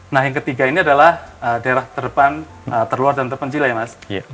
nah yang ketiga ini adalah daerah terdepan terluar dan terpencil ya mas